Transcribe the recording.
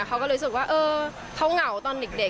เขาก็รู้สึกว่าเออเขาเหงาตอนเด็ก